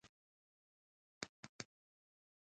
غول د ککړ خوړو غږ دی.